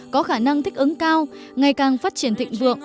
có khả năng thích ứng cao ngày càng phát triển thịnh vượng